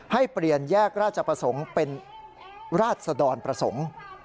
ให้เปลี่ยนแยกราชประสงค์เป็นราชดรประสงค์